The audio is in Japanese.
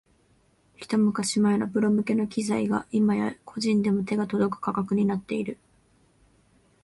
ひと昔前のプロ向けの機材が今や個人でも手が届く価格になっている